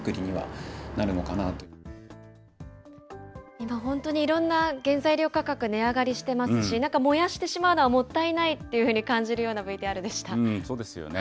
今、本当にいろんな原材料価格、値上がりしてますし、なんか燃やしてしまうのはもったいないと感じるようなＶＴＲでしそうですよね。